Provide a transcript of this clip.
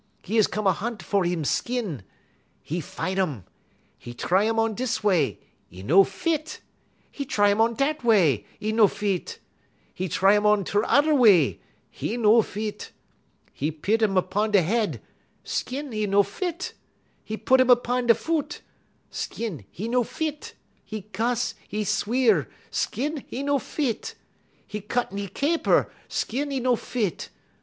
_ 'E come a hunt fer him skin. 'E fine um. 'E trey um on dis way; 'e no fit. 'E trey um on dat way; 'e no fit. 'E trey um on turrer way; 'e no fit. 'E pit um 'pon 'e head; skin 'e no fit. 'E pit um 'pon 'e foot; skin 'e no fit. 'E cuss, 'e sweer; skin 'e no fit. 'E cut 'e caper; skin 'e no fit.